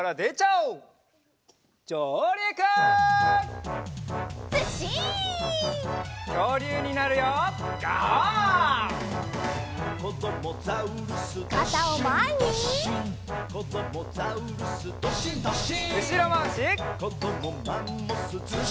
うしろまわし。